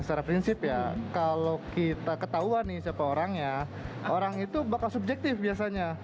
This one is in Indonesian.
secara prinsip ya kalau kita ketahuan nih siapa orangnya orang itu bakal subjektif biasanya